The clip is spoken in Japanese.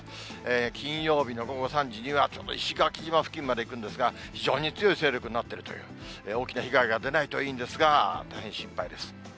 金曜日の午後３時には、ちょうど石垣島付近まで行くんですが、非常に強い勢力になっているという、大きな被害が出ないといいんですが、大変心配です。